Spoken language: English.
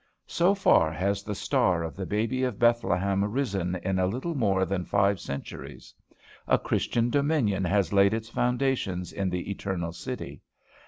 So far has the star of the baby of Bethlehem risen in a little more than five centuries. A Christian dominion has laid its foundations in the Eternal City.